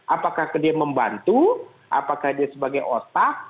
apakah dia membantu apakah dia sebagai otak